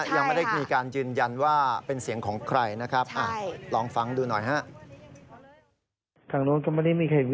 ยังไม่ได้มีการยืนยันว่าเป็นเสียงของใครนะครับ